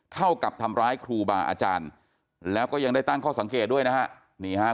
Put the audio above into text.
เท่ากับทำร้ายครูบาอาจารย์แล้วก็ยังได้ตั้งข้อสังเกตด้วยนะฮะนี่ฮะ